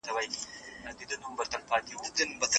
نوموړي بشري او ټولنيزې چارې پر مخ يوړې.